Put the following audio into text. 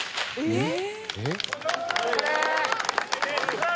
えっ？